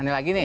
ini lagi nih